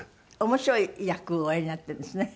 面白い役をおやりになっているんですね。